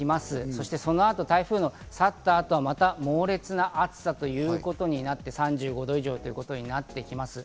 そしてその後、台風が去った後はまた猛烈な暑さということになって、３５度以上ということになってきます。